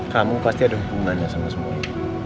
kamu pasti ada hubungannya sama semuanya